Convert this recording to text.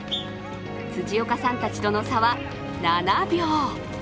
辻岡さんたちとの差は７秒。